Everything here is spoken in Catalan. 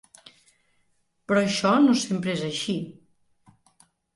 Però això no sempre és així.